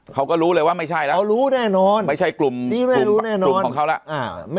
เขาก็รู้เลยว่าไม่ใช่แล้วเขารู้แน่นอนไม่ใช่กลุ่มของเขาแล้ว